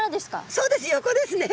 そうです横ですね。